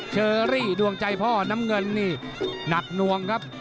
เชอรี่ดวงใจพ่อน้ำเงินนี่หนักนวงครับ